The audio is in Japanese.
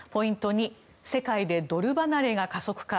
２世界でドル離れが加速か。